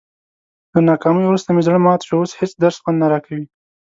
له ناکامۍ ورسته مې زړه مات شو، اوس هېڅ درس خوند نه راکوي.